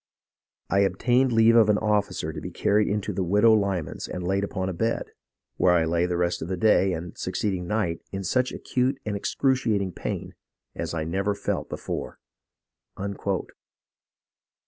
I obtained leave of an officer to be carried into the widow Lyman's and laid upon a bed, where I lay the rest of the day and succeeding night in such acute and excruciating pain as I never felt before."